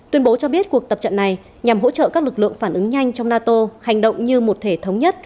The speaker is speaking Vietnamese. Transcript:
tuyên bố cho biết cuộc tập trận này nhằm hỗ trợ các lực lượng phản ứng nhanh trong nato hành động như một thể thống nhất